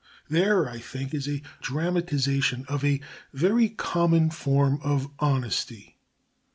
There, I think, is a dramatisation of a very common form of honesty.